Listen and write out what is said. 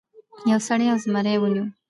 یو سړي یو زمری ونیو.